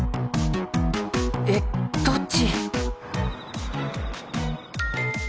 えっどっち？